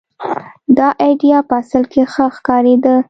دا اېډیا په اصل کې ښه ښکارېده.